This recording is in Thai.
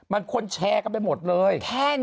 มันคนแชร์กันไปหมดเลย